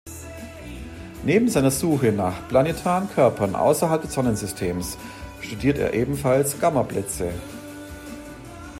Neben seiner Suche nach planetaren Körpern außerhalb des Sonnensystems studiert er ebenfalls Gammablitze.